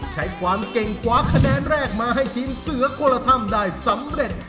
ใช้ความเก่งคว้าคะแนนแรกมาให้ทีมเสือคนละถ้ำได้สำเร็จ